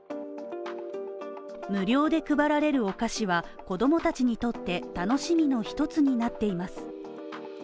無料で配られるお菓子は子供たちにとって楽しみの１つになっています。